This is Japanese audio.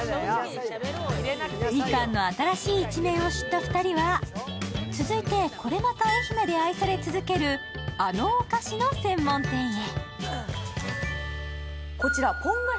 みかんの新しい一面を知った２人は続いて、これまた愛媛で愛され続けるあのお菓子の専門店へ。